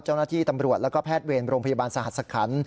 เจ้าหน้าที่ตำรวจแล้วก็แพทย์เวรโรงพยาบาลสหัสคัน